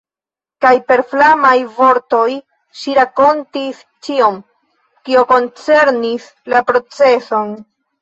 Kaj per flamaj vortoj ŝi rakontis ĉion, kio koncernis la proceson.